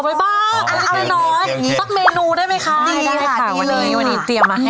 วันนี้เรียบร้อยแล้วค่ะ